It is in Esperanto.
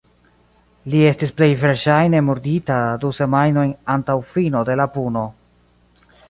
Li estis plej verŝajne murdita du semajnojn antaŭ fino de la puno.